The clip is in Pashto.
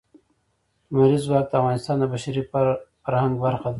لمریز ځواک د افغانستان د بشري فرهنګ برخه ده.